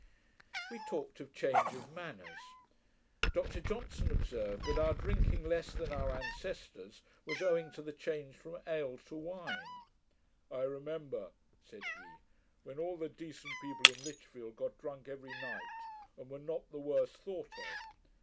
We talked of change of manners. Dr Johnson observed, that our drinking less than our ancestors was owing to the change from ale to wine. 'I remember,' said he, 'when all the DECENT people in Lichfield got drunk every night, and were not the worse thought of.